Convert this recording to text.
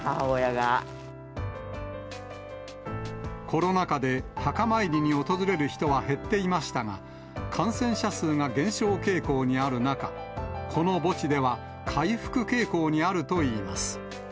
コロナ禍で墓参りに訪れる人は減っていましたが、感染者数が減少傾向にある中、この墓地では回復傾向にあるといいます。